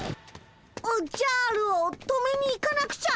おっじゃるを止めに行かなくちゃ！